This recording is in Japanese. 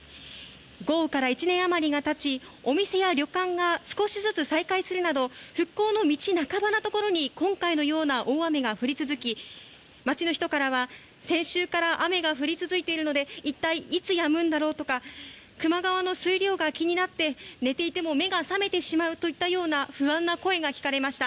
豪雨から１年余りが経ちお店や旅館が少しずつ再開するなど復興の道半ばのところに今回のような大雨が降り続き町の人からは先週から雨が降り続いているので一体いつやむんだろうとか球磨川の水量が気になって寝ていても目が覚めてしまうといったような不安な声が聞かれました。